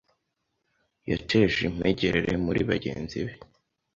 yeteje impegerere muri begenzi be